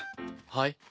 はい？